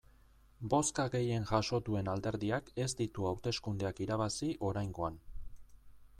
Bozka gehien jaso duen alderdiak ez ditu hauteskundeak irabazi oraingoan.